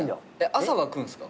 朝は食うんすか？